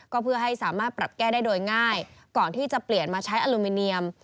ก็เพื่อให้สามารถปรับแก้ได้โดยง่ายก่อนที่จะเปลี่ยนมาใช้อลูมิเนียม